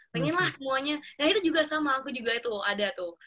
pengen lah semuanya dan itu juga sama aku juga itu ada tuh